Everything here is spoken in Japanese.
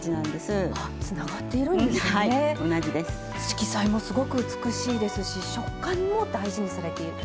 色彩もすごく美しいですし食感も大事にされている。